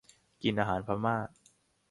กินอาหารพม่า